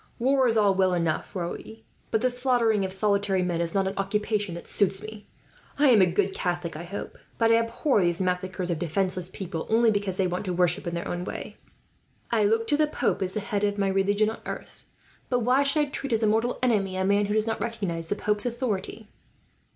"War is all well enough, Raoul, but the slaughtering of solitary men is not an occupation that suits me. I am a good Catholic, I hope, but I abhor these massacres of defenceless people, only because they want to worship in their own way. I look to the pope as the head of my religion on earth, but why should I treat as a mortal enemy a man who does not recognize the pope's authority?"